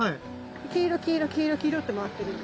黄色黄色黄色黄色って回ってるんです。